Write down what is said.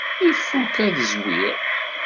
Ifuk ad ẓwiɣ.